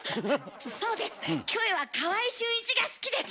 そうですキョエは川合俊一が好きです！